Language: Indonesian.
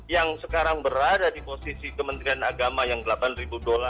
yang sekarang berada di posisi kementerian agama yang delapan ribu dolar